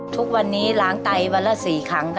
ทุกวันนี้ล้างไตวันละ๔ครั้งค่ะ